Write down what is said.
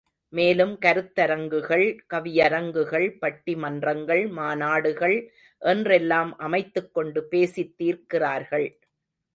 மேலும் கருத்தரங்குகள் கவியரங்குகள் பட்டி மன்றங்கள் மாநாடுகள் என்றெல்லாம் அமைத்துக்கொண்டு பேசித் தீர்க்கிறார்கள்.